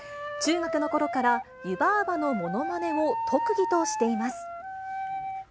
中学のころから、湯婆婆のものまねを特技としています。